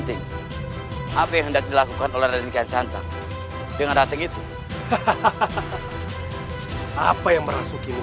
tanpa menyalahkan keberadaan kegiatan atau kejahitanmu